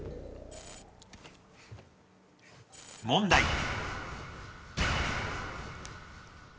［問題］